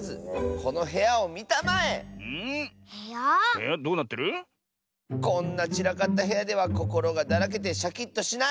こんなちらかったへやではこころがだらけてシャキッとしない！